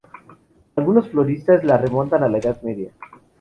Algunos folcloristas la remontan a la Edad Media.